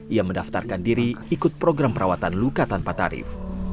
ia mendaftarkan diri ikut program perawatan luka tanpa tarif